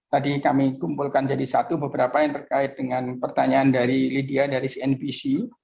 tadi kami kumpulkan jadi satu beberapa yang terkait dengan pertanyaan dari lydia dari cnbc